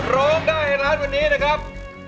ร้องได้ให้ร้านวันนี้นะครับ